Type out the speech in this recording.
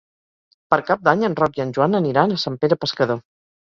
Per Cap d'Any en Roc i en Joan aniran a Sant Pere Pescador.